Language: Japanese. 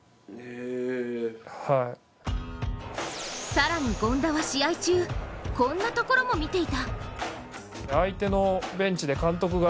更に権田は試合中こんなところも見ていた。